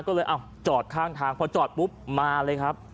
ก็เลยจอดข้างทางพอจอดปุ๊บมาเลยครับ